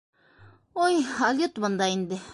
— Уй, алйотмон да инде!